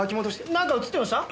なんか映ってました？